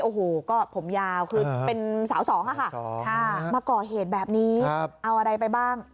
โอ้โหก็ผมยาวคือเป็นสาวสองอะค่ะมาก่อเหตุแบบนี้เอาอะไรไปบ้าง